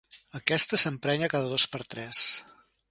Aquesta s'emprenya cada dos per tres.